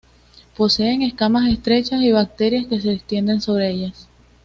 Poseen escamas estrechas y brácteas que se extienden sobre ellas.